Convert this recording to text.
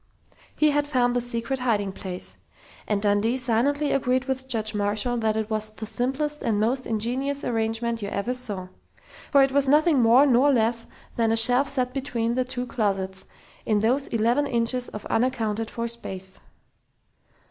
He had found the secret hiding place. And Dundee silently agreed with Judge Marshall that it was "the simplest and most ingenious arrangement you ever saw," for it was nothing more nor less than a shelf set between the two closets, in those eleven inches of unaccounted for space!